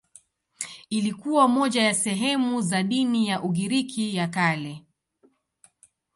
Ilikuwa moja ya sehemu za dini ya Ugiriki ya Kale.